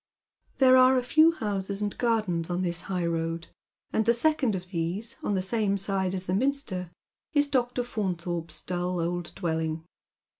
There are a few houses and gardens on this high road, and the second of these, on the same side as the minster, is Dr. Faunthorpe's dull old dwelling.